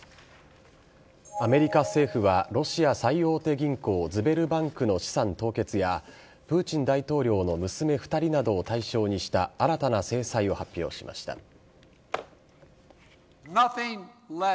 アメリカ政府はロシア最大手銀行ズベルバンクの資産凍結やプーチン大統領の娘２人などを対象にした新たな制裁を発表しました。